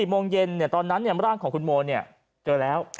โมงเย็นตอนนั้นร่างของคุณโมเจอแล้ว